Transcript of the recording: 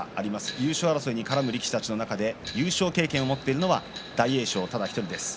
優勝争いに絡む力士たちの中で優勝経験を持っているのは大栄翔ただ１人です。